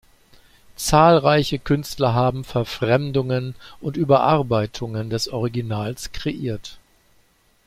Zahlreiche Künstler haben Verfremdungen und Überarbeitungen des Originals kreiert.